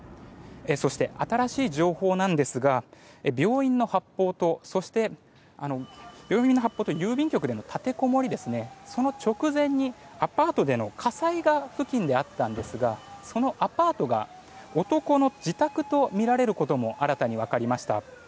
そして新しい情報なんですが病院の発砲と郵便局での立てこもりその直前にアパートでの火災が付近であったんですがそのアパートが男の自宅とみられることも新たに分かりました。